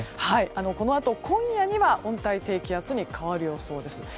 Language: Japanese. このあと、今夜には温帯低気圧に変わる予想です。